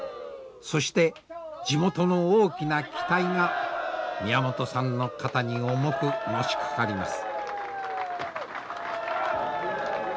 そして地元の大きな期待が宮本さんの肩に重くのしかかります。